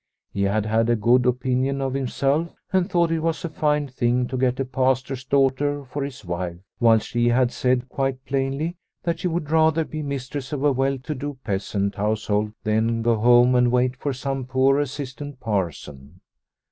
He had had a good opinion of himself, and thought it was a fine thing to get a Pastor's daughter for his wife, whilst she had said quite plainly that she would rather be mistress of a well to do peasant household than go home and wait for some poor assistant parson.